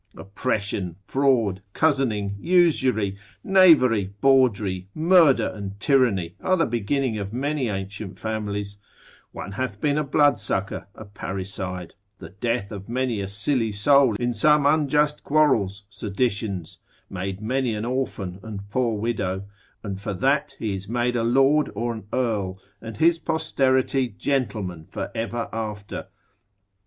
Oppression, fraud, cozening, usury, knavery, bawdry, murder, and tyranny, are the beginning of many ancient families: one hath been a bloodsucker, a parricide, the death of many a silly soul in some unjust quarrels, seditions, made many an orphan and poor widow, and for that he is made a lord or an earl, and his posterity gentlemen for ever after.